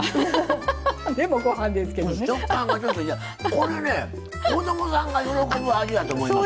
これね子供さんが喜ぶ味やと思いますよ。